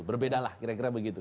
berbeda lah kira kira begitu